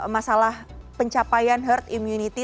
masalah pencapaian herd immunity